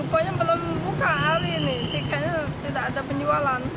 pokoknya belum buka hari ini tiketnya tidak ada penjualan